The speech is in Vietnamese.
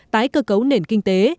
tái cơ cấu nền kinh tế